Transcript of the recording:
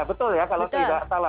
betul ya kalau tidak salah